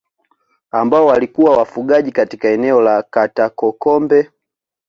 Ambao walikuwa wafugaji katika eneo la Katakokombe